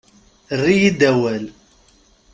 Err-iyi-d awal.